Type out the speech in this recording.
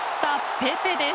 ペペです。